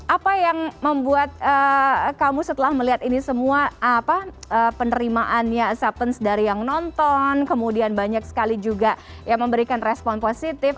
apa yang membuat kamu setelah melihat ini semua penerimaannya acceptance dari yang nonton kemudian banyak sekali juga yang memberikan respon positif